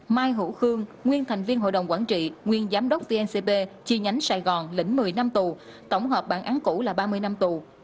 mai hữu khương nguyên thành viên hội đồng quản trị nguyên giám đốc vncb chi nhánh sài gòn lĩnh một mươi năm tù tổng hợp bản án cũ là ba mươi năm tù